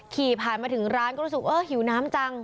ขี่ผ่านมาถึงร้านก็รู้สึกเออหิวน้ำจัง